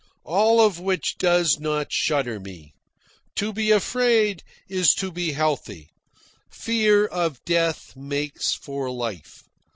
All of which does not shudder me. To be afraid is to be healthy. Fear of death makes for life.